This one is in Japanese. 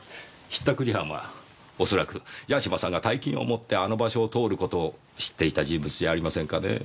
引ったくり犯は恐らく八島さんが大金を持ってあの場所を通る事を知っていた人物じゃありませんかねぇ。